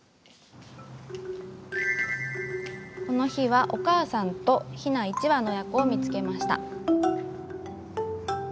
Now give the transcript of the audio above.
この日はお母さんとひな１羽の親子のカルガモを見つけました。